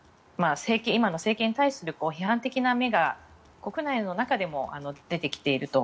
今の政権に対する批判的な目が国内でも出てきていると。